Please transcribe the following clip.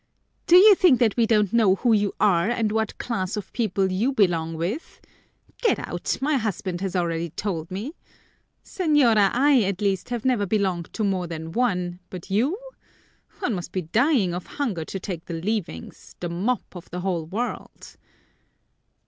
"Do you think that we don't know who you are and what class of people you belong with? Get out, my husband has already told me! Señora, I at least have never belonged to more than one, but you? One must be dying of hunger to take the leavings, the mop of the whole world!"